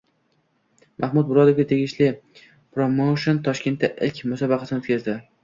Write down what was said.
Mahmud Murodovga tegishli promoushen Toshkentda ilk musobaqasini o‘tkazdi